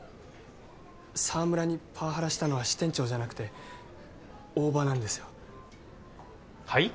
沢村にパワハラしたのは支店長じゃなくて大庭なんですよはい？